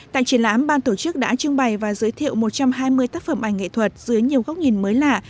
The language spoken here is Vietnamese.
tại triển lãm ban tổ chức đã trưng bày và giới thiệu một trăm hai mươi tác phẩm ảnh nghệ thuật dưới nhiều góc nhìn mới lạ